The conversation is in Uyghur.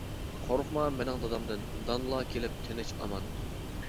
قورقما مېنىڭ دادامدىن، دانلا كېلىپ تىنچ-ئامان.